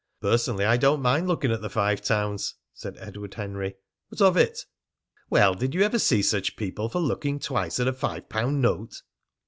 "Personally, I don't mind looking at the Five Towns," said Edward Henry. "What of it?" "Well, did you ever see such people for looking twice at a five pound note?"